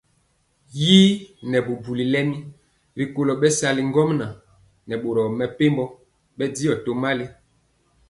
Yi nɛ bubuli lemi rikolo bɛsali ŋgomnaŋ nɛ boro mepempɔ bɛndiɔ tomali.